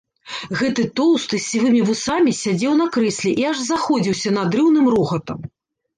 Гэты тоўсты, з сівымі вусамі сядзеў на крэсле і аж заходзіўся надрыўным рогатам.